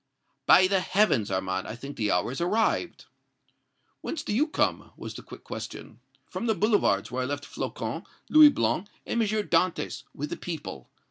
"By heavens, Armand, I think the hour has arrived!" "Whence do you come?" was the quick question. "From the Boulevards, where I left Flocon, Louis Blanc and M. Dantès, with the people.